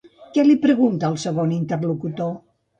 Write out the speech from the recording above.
Què li pregunta el segon interlocutor?